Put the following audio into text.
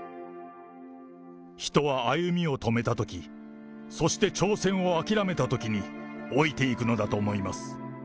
人は歩みを止めたとき、そして挑戦を諦めたときに、老いていくのだと思います。